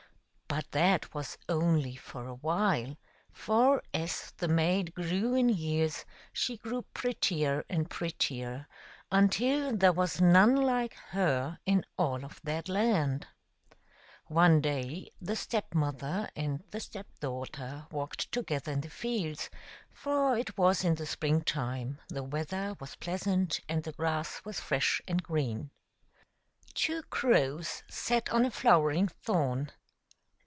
But that was only for a while, for as the maid grew in years she grew prettier and prettier, until there was none like her in all of that land. One day the Step mother and the step daughter walked together in the fields, for it was in the spring time, the weather was pleasant, and the grass was fresh and green. Two crows sat on a flowering thorn.